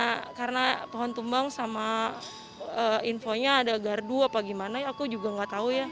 ya karena pohon tumbang sama infonya ada gardu apa gimana ya aku juga nggak tahu ya